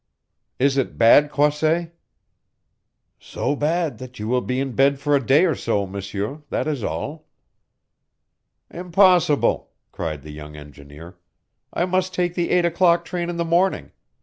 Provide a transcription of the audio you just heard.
"Is it bad, Croisset?" "So bad that you will be in bed for a day or so, M'seur. That is all." "Impossible!" cried the young engineer. "I must take the eight o'clock train in the morning.